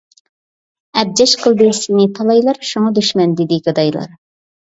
ئەبجەش قىلدى سىنى تالايلار، شۇڭا دۈشمەن دېدى گادايلار.